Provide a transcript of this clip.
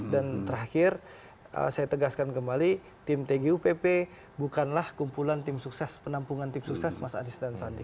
dan terakhir saya tegaskan kembali tim tgupp bukanlah kumpulan tim sukses penampungan tim sukses mas adis dan sandi